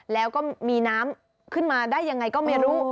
แล้วก็มีน้ำขึ้นมาได้ยังไงก็ไม่รู้